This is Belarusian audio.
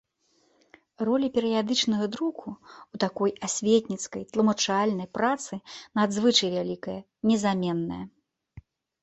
Роля перыядычнага друку ў такой асветніцкай, тлумачальнай працы надзвычай вялікая, незаменная.